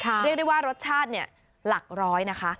ครับจริงรสชาติหรอกร้อยนะคะ